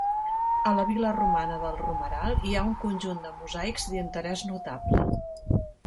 A la vil·la romana del Romeral hi ha un conjunt de mosaics d'interès notable.